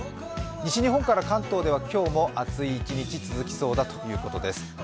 西日本から関東では今日も暑い一日、続きそうだということです。